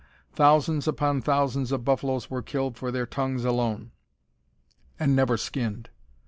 Thousands upon thousands of buffaloes were killed for their tongues alone, and never skinned.